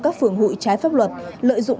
các phường hội trái pháp luật lợi dụng